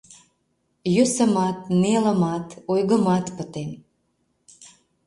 Йӧсымат, нелымат, ойгымат пытен.